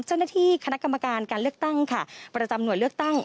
เจ้าหน้าที่คณะกรรมการการเลือกตั้งค่ะประจำหน่วยเลือกตั้ง